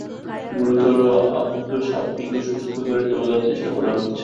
গুরুতর আহত সাপটিকে সুস্থ করে তোলার চেষ্টা করা হচ্ছে।